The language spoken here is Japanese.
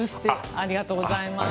ありがとうございます。